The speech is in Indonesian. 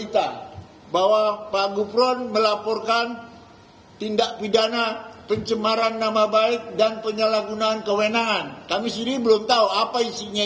yang saya tahu dewas melaksanakan tugasnya